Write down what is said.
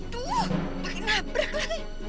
tuh pake nabrak lagi